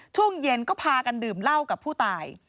ช่วงเย็นก็พากันดื่มเหล้ากับผู้ตาย